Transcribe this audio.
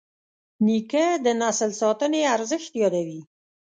نیکه د نسل ساتنې ارزښت یادوي.